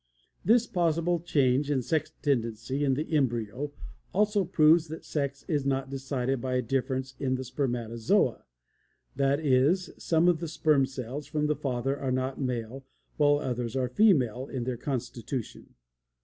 This possible change in sex tendency in the embryo also proves that sex is not decided by a difference in the spermatozoa; that is some of the sperm cells from the father are not male, while others are female, in their constitution.